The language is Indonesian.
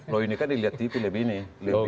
loh ini kan dilihat tv lebih nih